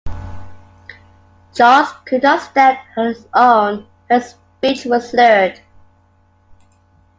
Joss could not stand on his own and his speech was slurred.